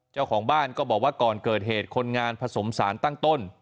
เจ้าของบ้านก็บอกว่าก่อนเกิดเหตุคนงานผสมสารตั้งต้น